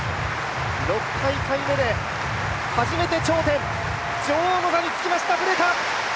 ６大会目で初めて頂点、女王の座に就きましたブレタ。